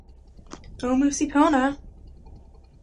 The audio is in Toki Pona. o musi pona!